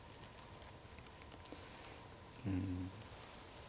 うん。